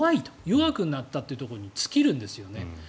弱くなったということに尽きるんですよね。